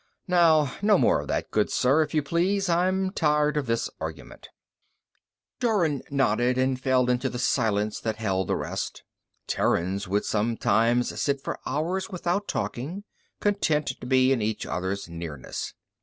"Now, no more of that, good sir, if you please; I'm tired of this argument." Jorun nodded and fell into the silence that held the rest. Terrans would sometimes sit for hours without talking, content to be in each other's nearness.